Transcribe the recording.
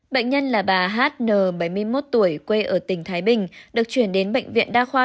bệnh nhân là bà hn bảy mươi một tuổi quê ở tỉnh thái bình được chuyển đến bệnh viện đa khoa